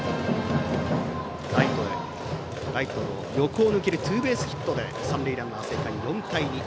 ライトの横を抜けるツーベースヒットで三塁ランナーが生還して４対２。